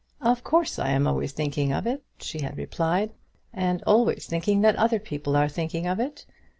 "Of course I am always thinking of it," she had replied, "and always thinking that other people are thinking of it.